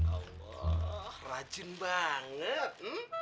allah rajin banget